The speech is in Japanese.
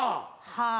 はぁ。